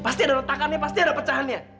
pasti ada retakannya pasti ada pecahannya